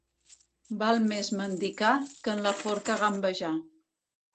Val més mendicar que en la forca gambejar.